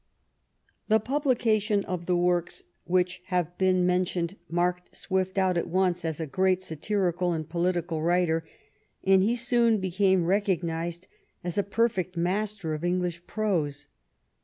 The publication of the works which have been men tioned marked Swift out at once as a great satirical and political writer, and he soon became recognized as a perfect master of English prose.